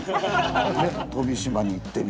で飛島に行ってみよう。